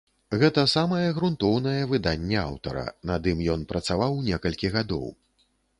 Гэта самае грунтоўнае выданне аўтара, над ім ён працаваў некалькі гадоў.